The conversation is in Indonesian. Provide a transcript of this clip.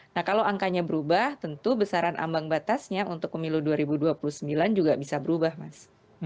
nah kalau angkanya berubah tentu besaran ambang batasnya untuk pemilu dua ribu dua puluh sembilan juga bisa berubah mas